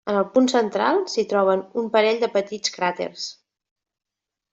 En el punt central s'hi troben un parell de petits cràters.